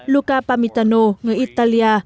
luca pamitano người italia